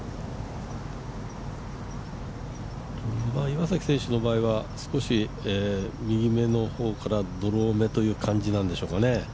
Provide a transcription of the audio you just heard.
岩崎選手の場合は少し右めの方からドローめという感じなんでしょうかね。